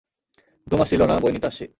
ঘুম আসছিলো না, বই নিতে আসছি।